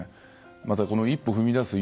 またこの一歩踏み出す